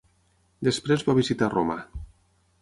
Després va visitar Roma.